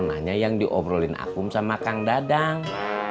kamu mau tanya yang diobrolin akum sama kang dadang